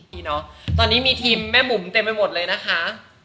นี่เนอะตอนนี้มีทีมแม่บุ๋มเต็มไปหมดเลยนะคะ